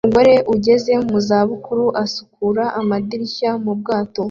Umugore ugeze mu za bukuru asukura amadirishya mu bwato